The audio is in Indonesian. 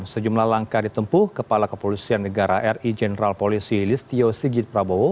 sejumlah langkah ditempuh kepala kepolisian negara ri jenderal polisi listio sigit prabowo